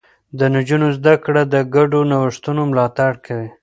د نجونو زده کړه د ګډو نوښتونو ملاتړ کوي.